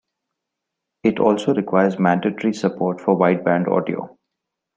It also requires mandatory support for wideband audio.